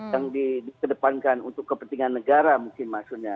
yang dikedepankan untuk kepentingan negara mungkin maksudnya